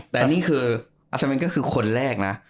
แต่นี่คืออาซาเมนก็คือคนแรกนะ